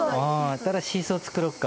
だったらシーソーを作ろうか。